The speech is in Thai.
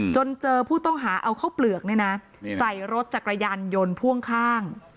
เจอผู้ต้องหาเอาข้าวเปลือกใส่รถจักรยานยนต์พ่วงข้าง